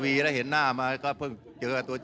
ที่จะเป็นความสุขของชาวบ้าน